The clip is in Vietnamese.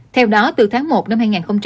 theo đó từ tháng một năm hai nghìn hai mươi